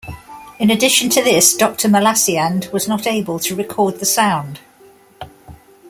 In addition to this, Doctor Mallasseand was not able to record the sound.